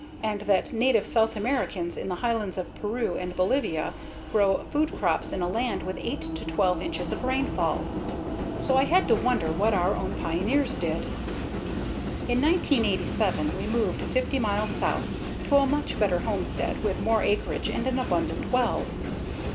And that Native South Americans in the highlands of Peru and Bolivia grow food crops in a land with 8 to 12 inches of rainfall. So I had to wonder what our own pioneers did. In 1987, we moved 50 miles south, to a much better homestead with more acreage and an abundant well.